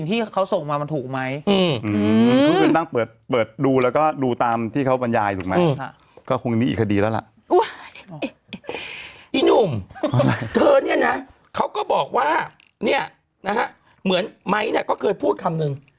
อีหนุ่มเธอเนี่ยนะเขาก็บอกว่าเนี่ยนะฮะเหมือนไม้เนี่ยก็เคยพูดคำนึง